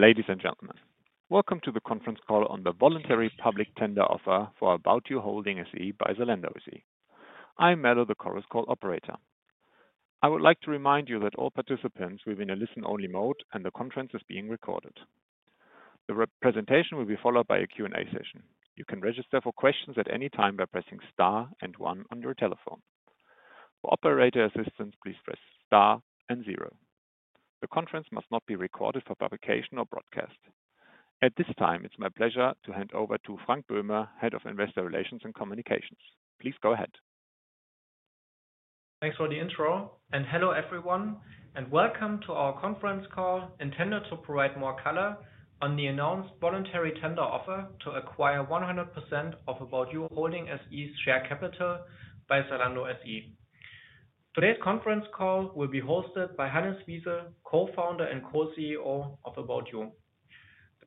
Ladies and gentlemen, welcome to the conference call on the voluntary public tender offer for About You Holding SE by Zalando SE. I'm Mellow, the Chorus Call operator. I would like to remind you that all participants will be in a listen-only mode, and the conference is being recorded. The presentation will be followed by a Q&A session. You can register for questions at any time by pressing star and one on your telephone. For operator assistance, please press star and zero. The conference must not be recorded for publication or broadcast. At this time, it's my pleasure to hand over to Frank Böhme, Head of Investor Relations and Communications. Please go ahead. Thanks for the intro, and hello everyone, and welcome to our conference call intended to provide more color on the announced voluntary tender offer to acquire 100% of About You Holding SE's share capital by Zalando SE. Today's conference call will be hosted by Hannes Wiese, Co-founder and Co-CEO of About You.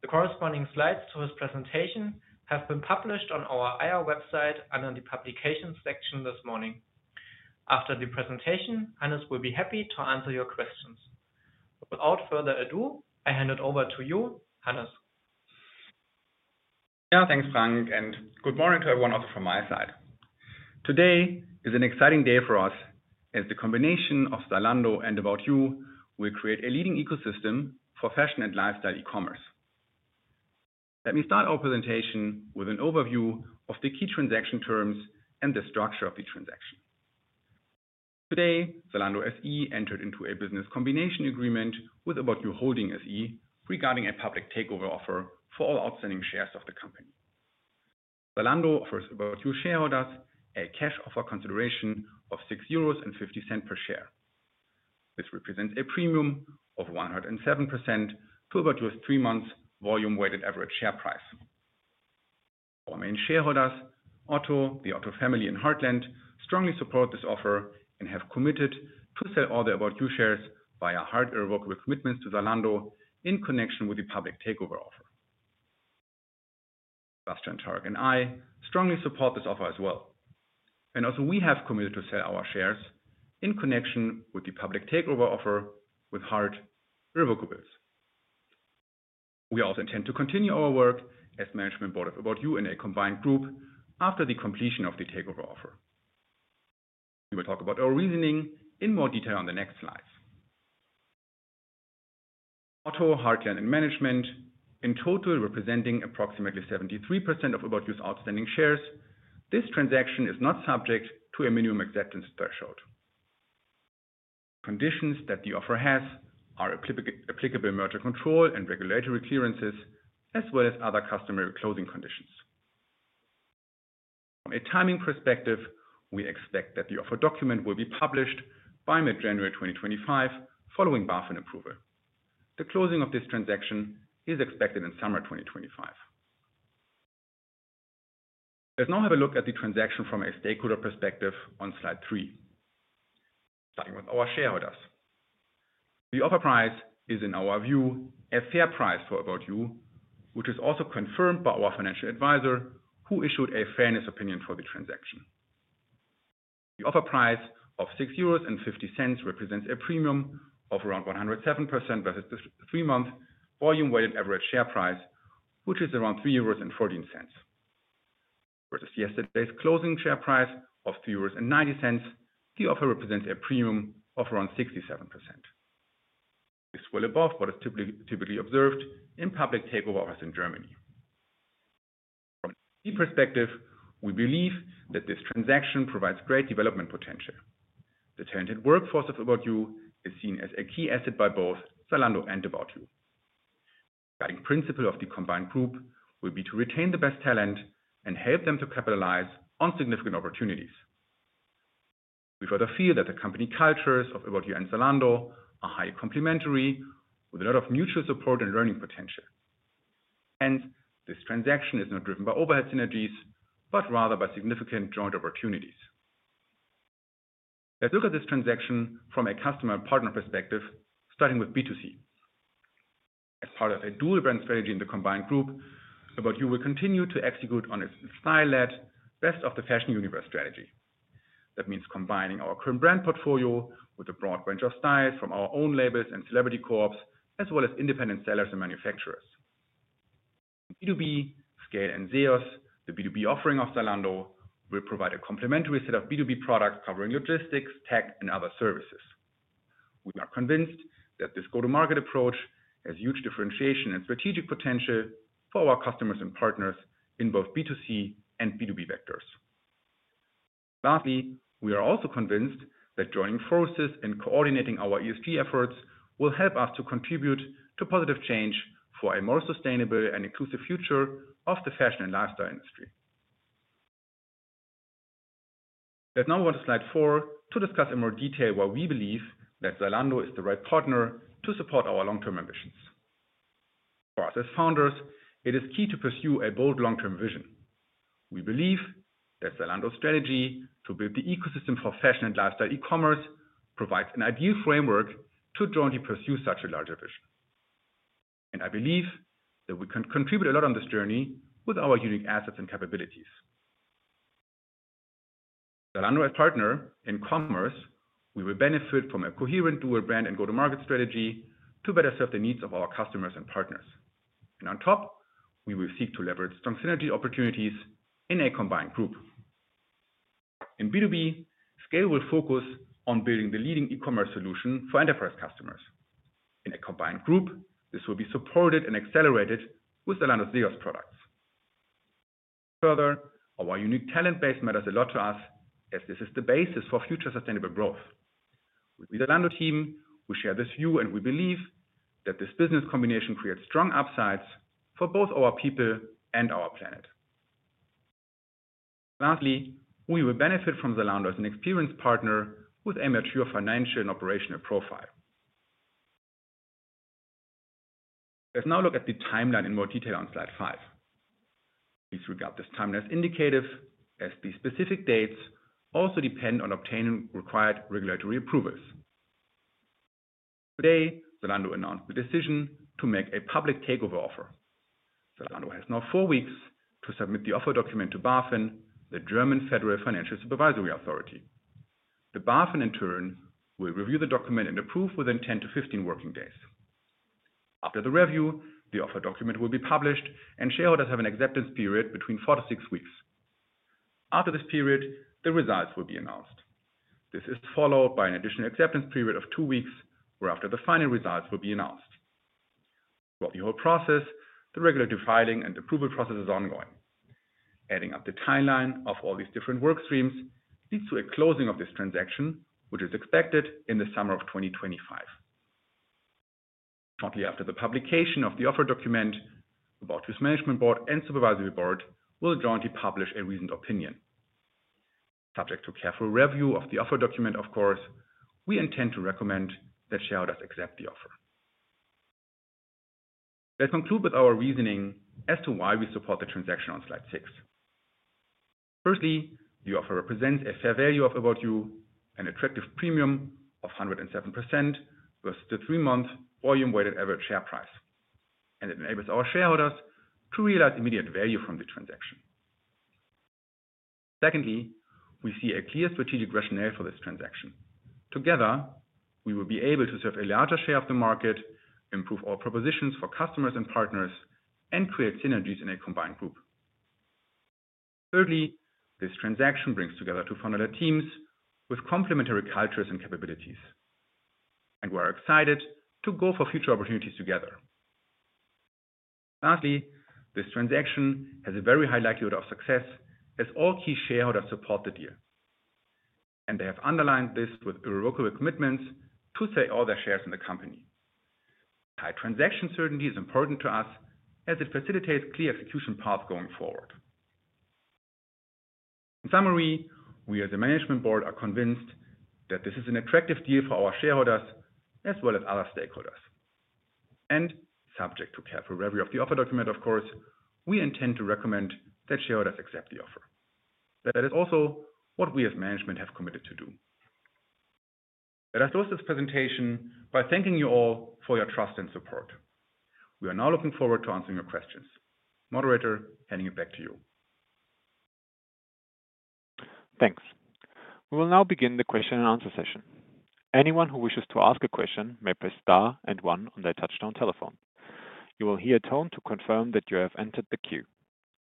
The corresponding slides to his presentation have been published on our IR website under the publications section this morning. After the presentation, Hannes will be happy to answer your questions. Without further ado, I hand it over to you, Hannes. Yeah, thanks Frank, and good morning to everyone also from my side. Today is an exciting day for us as the combination of Zalando and About You will create a leading ecosystem for fashion and lifestyle e-commerce. Let me start our presentation with an overview of the key transaction terms and the structure of the transaction. Today, Zalando SE entered into a business combination agreement with About You Holding SE regarding a public takeover offer for all outstanding shares of the company. Zalando offers About You's shareholders a cash offer consideration of 6.50 euros per share. This represents a premium of 107% to about just three months' volume-weighted average share price. Our main shareholders, Otto, the Otto family and Heartland, strongly support this offer and have committed to sell all the About You shares via their Irrevocable Commitments to Zalando in connection with the public takeover offer. Bastian, Tarek, and I strongly support this offer as well, and also, we have committed to sell our shares in connection with the public takeover offer with Heartland Irrevocables. We also intend to continue our work as management board of About You in a combined group after the completion of the takeover offer. We will talk about our reasoning in more detail on the next slides. Otto, Heartland, and management, in total representing approximately 73% of About You's outstanding shares. This transaction is not subject to a minimum acceptance threshold. The conditions that the offer has are applicable merger control and regulatory clearances, as well as other customary closing conditions. From a timing perspective, we expect that the offer document will be published by mid-January 2025 following BaFin approval. The closing of this transaction is expected in summer 2025. Let's now have a look at the transaction from a stakeholder perspective on slide three, starting with our shareholders. The offer price is, in our view, a fair price for About You, which is also confirmed by our financial advisor who issued a fairness opinion for the transaction. The offer price of 6.50 euros represents a premium of around 107% versus the three-month volume-weighted average share price, which is around 3.14 euros. Versus yesterday's closing share price of 3.90 euros, the offer represents a premium of around 67%. This is well above what is typically observed in public takeover offers in Germany. From the perspective, we believe that this transaction provides great development potential. The talented workforce of About You is seen as a key asset by both Zalando and About You. The guiding principle of the combined group will be to retain the best talent and help them to capitalize on significant opportunities. We further feel that the company cultures of About You and Zalando are highly complementary, with a lot of mutual support and learning potential. Hence, this transaction is not driven by overhead synergies, but rather by significant joint opportunities. Let's look at this transaction from a customer-partner perspective, starting with B2C. As part of a dual-brand strategy in the combined group, About You will continue to execute on its style-led best-of-the-fashion universe strategy. That means combining our current brand portfolio with a broad range of styles from our own labels and celebrity collabs, as well as independent sellers and manufacturers. In B2B SCAYLE and ZEOS, the B2B offering of Zalando will provide a complementary set of B2B products covering logistics, tech, and other services. We are convinced that this go-to-market approach has huge differentiation and strategic potential for our customers and partners in both B2C and B2B vectors. Lastly, we are also convinced that joining forces and coordinating our ESG efforts will help us to contribute to positive change for a more sustainable and inclusive future of the fashion and lifestyle industry. Let's now move on to slide four to discuss in more detail why we believe that Zalando is the right partner to support our long-term ambitions. For us as founders, it is key to pursue a bold long-term vision. We believe that Zalando's strategy to build the ecosystem for fashion and lifestyle e-commerce provides an ideal framework to jointly pursue such a larger vision. And I believe that we can contribute a lot on this journey with our unique assets and capabilities. As Zalando's partner in commerce, we will benefit from a coherent dual-brand and go-to-market strategy to better serve the needs of our customers and partners, and on top, we will seek to leverage strong synergy opportunities in a combined group. In B2B, SCAYLE will focus on building the leading e-commerce solution for enterprise customers. In a combined group, this will be supported and accelerated with Zalando's ZEOS products. Further, our unique talent base matters a lot to us, as this is the basis for future sustainable growth. With the Zalando team, we share this view, and we believe that this business combination creates strong upsides for both our people and our planet. Lastly, we will benefit from Zalando as an experienced partner with a mature financial and operational profile. Let's now look at the timeline in more detail on slide five. Please regard this timeline as indicative, as the specific dates also depend on obtaining required regulatory approvals. Today, Zalando announced the decision to make a public takeover offer. Zalando has now four weeks to submit the offer document to BaFin, the German Federal Financial Supervisory Authority. The BaFin, in turn, will review the document and approve within 10 to 15 working days. After the review, the offer document will be published, and shareholders have an acceptance period between four to six weeks. After this period, the results will be announced. This is followed by an additional acceptance period of two weeks, whereafter the final results will be announced. Throughout the whole process, the regulatory filing and approval process is ongoing. Adding up the timeline of all these different work streams leads to a closing of this transaction, which is expected in the summer of 2025. Shortly after the publication of the offer document, the Management Board and Supervisory Board will jointly publish a reasoned opinion. Subject to careful review of the offer document, of course, we intend to recommend that shareholders accept the offer. Let's conclude with our reasoning as to why we support the transaction on slide six. Firstly, the offer represents a fair value of About You, an attractive premium of 107% versus the three-month volume-weighted average share price, and it enables our shareholders to realize immediate value from the transaction. Secondly, we see a clear strategic rationale for this transaction. Together, we will be able to serve a larger share of the market, improve our propositions for customers and partners, and create synergies in a combined group. Thirdly, this transaction brings together two fundamental teams with complementary cultures and capabilities, and we are excited to go for future opportunities together. Lastly, this transaction has a very high likelihood of success as all key shareholders support the deal. And they have underlined this with irrevocable commitments to sell all their shares in the company. High transaction certainty is important to us as it facilitates a clear execution path going forward. In summary, we as a Management Board are convinced that this is an attractive deal for our shareholders as well as other stakeholders. And subject to careful review of the offer document, of course, we intend to recommend that shareholders accept the offer. That is also what we as Management have committed to do. Let us close this presentation by thanking you all for your trust and support. We are now looking forward to answering your questions. Moderator, handing it back to you. Thanks. We will now begin the question and answer session. Anyone who wishes to ask a question may press star and one on their touch-tone telephone. You will hear a tone to confirm that you have entered the queue.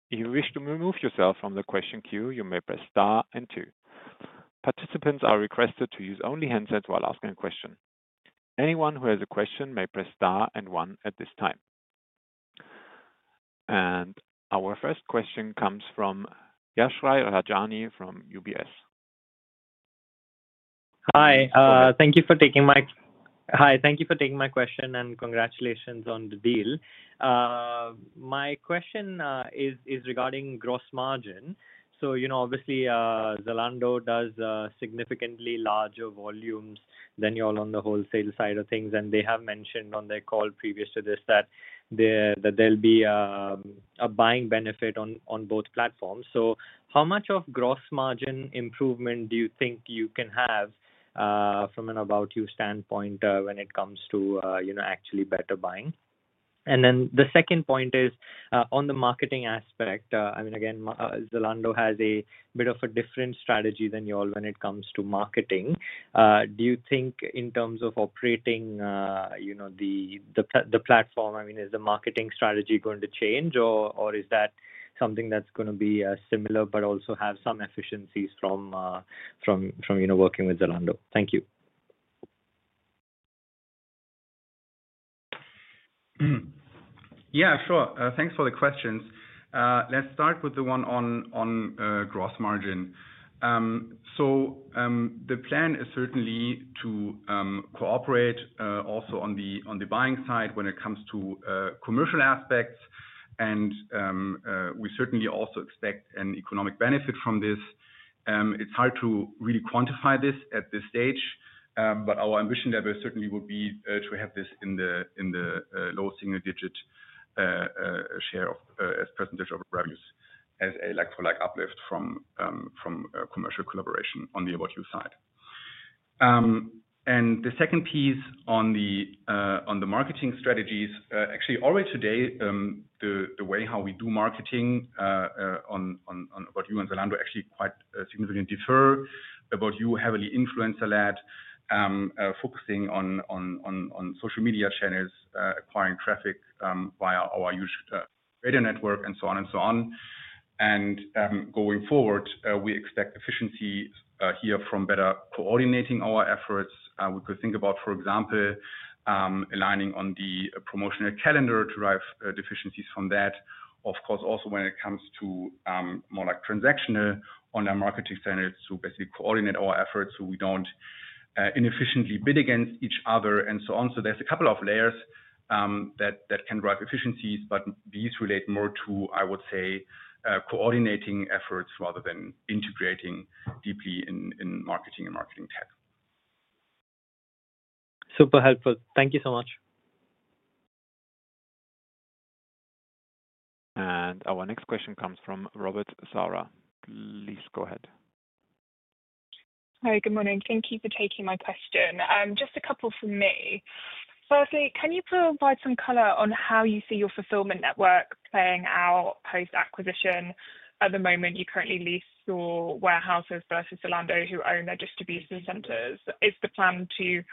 If you wish to remove yourself from the question queue, you may press star and two. Participants are requested to use only handsets while asking a question. Anyone who has a question may press star and one at this time, and our first question comes from Yashraj Rajani from UBS. Hi. Thank you for taking my question, and congratulations on the deal. My question is regarding gross margin. So obviously, Zalando does significantly larger volumes than you all on the wholesale side of things. And they have mentioned on their call previous to this that there'll be a buying benefit on both platforms. So how much of gross margin improvement do you think you can have from an About You standpoint when it comes to actually better buying? And then the second point is on the marketing aspect. I mean, again, Zalando has a bit of a different strategy than you all when it comes to marketing. Do you think in terms of operating the platform, I mean, is the marketing strategy going to change, or is that something that's going to be similar but also have some efficiencies from working with Zalando? Thank you. Yeah, sure. Thanks for the questions. Let's start with the one on gross margin. So the plan is certainly to cooperate also on the buying side when it comes to commercial aspects. And we certainly also expect an economic benefit from this. It's hard to really quantify this at this stage, but our ambition level certainly would be to have this in the low single-digit share of percentage of revenues as a like-for-like uplift from commercial collaboration on the About You side. And the second piece on the marketing strategies, actually, already today, the way how we do marketing on About You and Zalando actually quite significantly differ. About You heavily influencer-led, focusing on social media channels, acquiring traffic via our huge radio network, and so on and so on. And going forward, we expect efficiency here from better coordinating our efforts. We could think about, for example, aligning on the promotional calendar to drive efficiencies from that. Of course, also when it comes to more like transactional online marketing channels to basically coordinate our efforts so we don't inefficiently bid against each other and so on. So there's a couple of layers that can drive efficiencies, but these relate more to, I would say, coordinating efforts rather than integrating deeply in marketing and marketing tech. Super helpful. Thank you so much. And our next question comes from Robert Sahr. Please go ahead. Hi. Good morning. Thank you for taking my question. Just a couple for me. Firstly, can you provide some color on how you see your fulfillment network playing out post-acquisition? At the moment you currently lease your warehouses versus Zalando who own their distribution centers? Is the plan to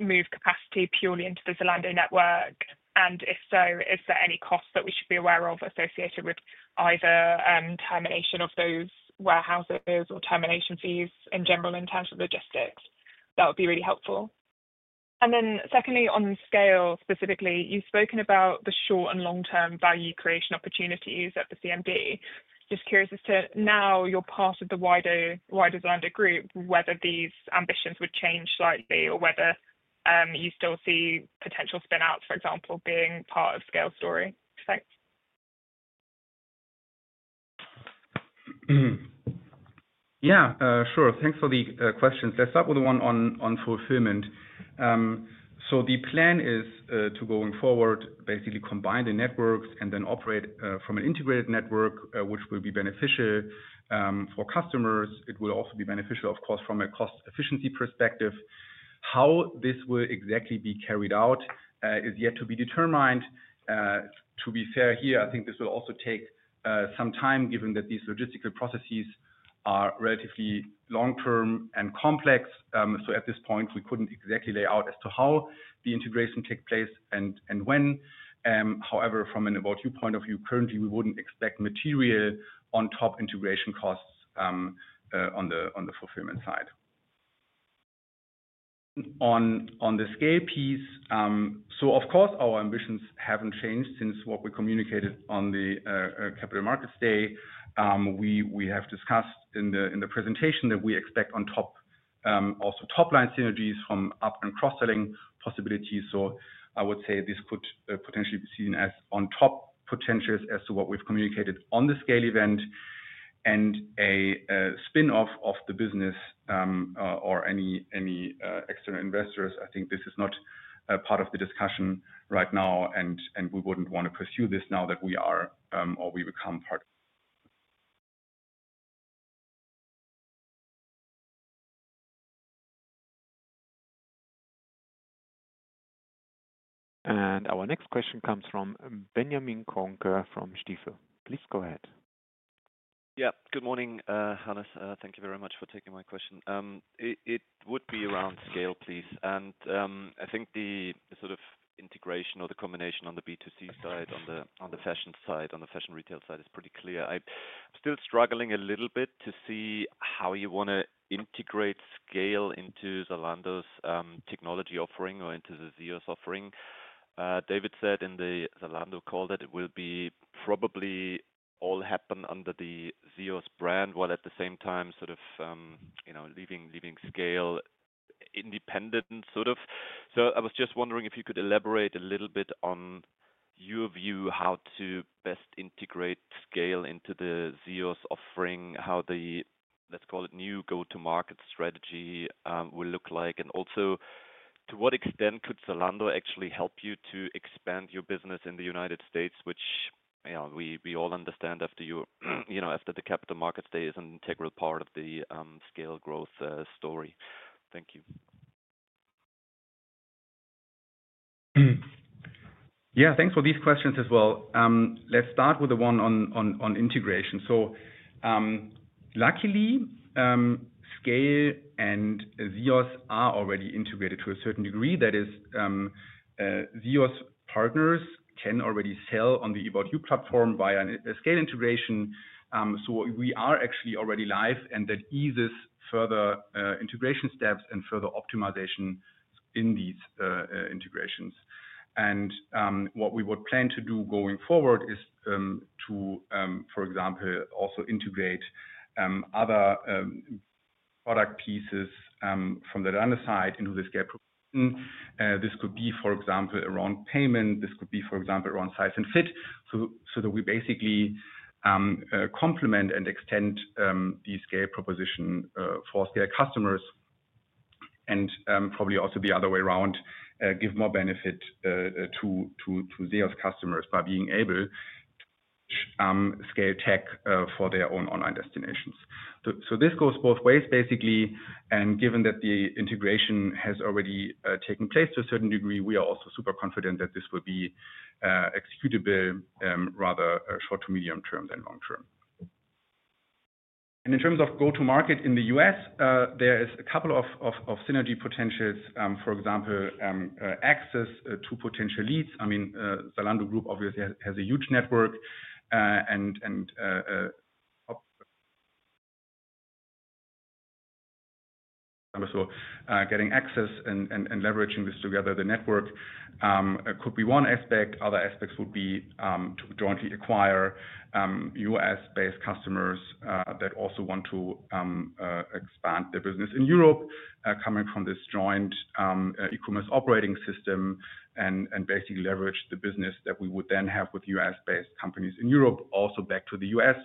move capacity purely into the Zalando network? And if so, is there any cost that we should be aware of associated with either termination of those warehouses or termination fees in general in terms of logistics? That would be really helpful. And then secondly, on SCAYLE specifically, you've spoken about the short and long-term value creation opportunities at the CMD. Just curious as to now you're part of the wider Zalando group, whether these ambitions would change slightly or whether you still see potential spinouts, for example, being part of SCAYLE story. Thanks. Yeah, sure. Thanks for the questions. Let's start with the one on fulfillment. So the plan is to going forward basically combine the networks and then operate from an integrated network, which will be beneficial for customers. It will also be beneficial, of course, from a cost efficiency perspective. How this will exactly be carried out is yet to be determined. To be fair here, I think this will also take some time given that these logistical processes are relatively long-term and complex. So at this point, we couldn't exactly lay out as to how the integration takes place and when. However, from an About You point of view, currently, we wouldn't expect material on top integration costs on the fulfillment side. On the SCAYLE piece, so of course, our ambitions haven't changed since what we communicated on the Capital Markets Day. We have discussed in the presentation that we expect also top-line synergies from up and cross-selling possibilities. So I would say this could potentially be seen as on top potentials as to what we've communicated on the scale event, and a spin-off of the business or any external investors, I think this is not part of the discussion right now, and we wouldn't want to pursue this now that we are or we become part. Our next question comes from Benjamin Kohnke from Stifel. Please go ahead. Yeah, good morning, Hannes. Thank you very much for taking my question. It would be around scale, please, and I think the sort of integration or the combination on the B2C side, on the fashion side, on the fashion retail side is pretty clear. I'm still struggling a little bit to see how you want to integrate scale into Zalando's technology offering or into the ZEOS offering. David said in the Zalando call that it will probably all happen under the ZEOS brand while at the same time sort of leaving scale independent sort of, so I was just wondering if you could elaborate a little bit on your view how to best integrate scale into the ZEOS offering, how the, let's call it, new go-to-market strategy will look like. And also, to what extent could Zalando actually help you to expand your business in the United States, which we all understand after the Capital Markets Day is an integral part of the scale growth story. Thank you. Yeah, thanks for these questions as well. Let's start with the one on integration. So luckily, scale and ZEOS are already integrated to a certain degree. That is, ZEOS partners can already sell on the About You platform via a scale integration. So we are actually already live, and that eases further integration steps and further optimization in these integrations. And what we would plan to do going forward is to, for example, also integrate other product pieces from the Zalando side into the scale proposition. This could be, for example, around payment. This could be, for example, around size and fit. So that we basically complement and extend the scale proposition for scale customers. And probably also the other way around, give more benefit to ZEOS customers by being able to scale tech for their own online destinations. So this goes both ways, basically. Given that the integration has already taken place to a certain degree, we are also super confident that this will be executable rather short to medium term than long term. In terms of go-to-market in the U.S., there is a couple of synergy potentials. For example, access to potential leads. I mean, Zalando Group obviously has a huge network. So getting access and leveraging this together, the network could be one aspect. Other aspects would be to jointly acquire U.S.-based customers that also want to expand their business in Europe, coming from this joint e-commerce operating system, and basically leverage the business that we would then have with U.S.-based companies in Europe also back to the U.S.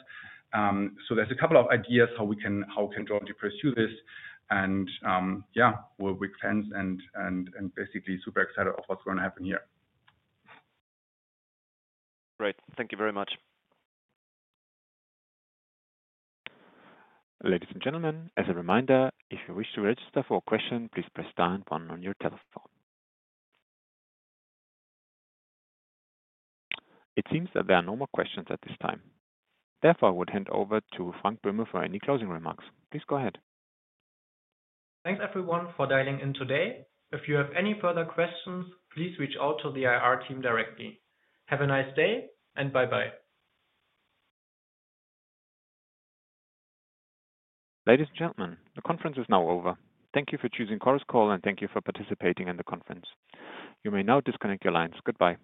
So there's a couple of ideas how we can jointly pursue this. Yeah, we're big fans and basically super excited about what's going to happen here. Great. Thank you very much. Ladies and gentlemen, as a reminder, if you wish to register for a question, please press star and one on your telephone. It seems that there are no more questions at this time. Therefore, I would hand over to Frank Böhme for any closing remarks. Please go ahead. Thanks, everyone, for dialing in today. If you have any further questions, please reach out to the IR team directly. Have a nice day and bye-bye. Ladies and gentlemen, the conference is now over. Thank you for choosing Chorus Call, and thank you for participating in the conference. You may now disconnect your lines. Goodbye.